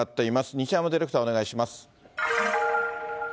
西山ディレクター、お願いします。